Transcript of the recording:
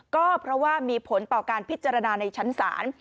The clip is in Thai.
ก็เพราะว่ามีผลต่อการพิจารณาในชั้นศาล